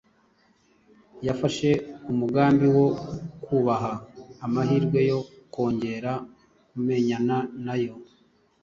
Yafashe umugambi wo kubaha amahirwe yo kongera kumenyana na Yo